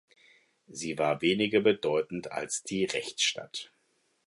Sie war weniger bedeutend als die Rechtstadt.